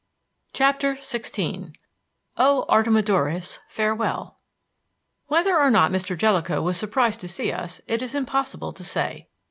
CHAPTER XVI O ARTEMIDORUS, FAREWELL! Whether or not Mr. Jellicoe was surprised to see us, it is impossible to say.